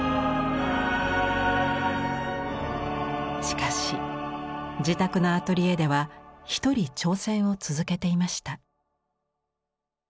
しかし自宅のアトリエでは１人挑戦を続けていました。